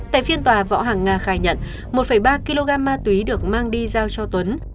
tại phiên tòa võ hàng nga khai nhận một ba kg ma túy được mang đi giao cho tuấn